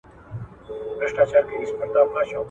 نه یې ژبه له غیبته ستړې کیږي ..